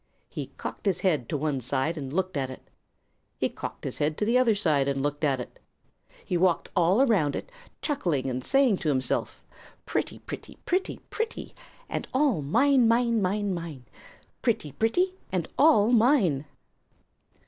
He cocked his head to one side and looked at it. He cocked his head to the other side and looked at it. He walked all around it, chuckling and saying to himself, "Pretty, pretty, pretty, pretty and all mine, mine, mine, mine! Pretty, pretty, and all mine!"